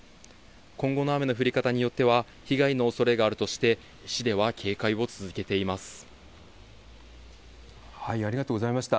今後の雨の降り方によっては、被害のおそれがあるとして、ありがとうございました。